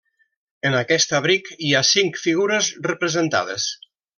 En aquest abric hi ha cinc figures representades.